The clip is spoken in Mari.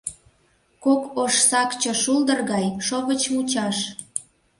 Кок ош сакче шулдыр гай — шовыч мучаш.